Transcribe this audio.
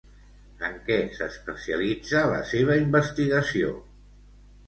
En què s'especialitza la seva investigació?